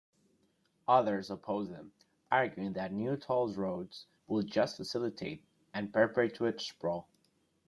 Others oppose them, arguing that new toll roads will just facilitate and perpetuate sprawl.